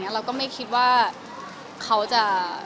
เราก็ไม่คิดว่าเขาจะ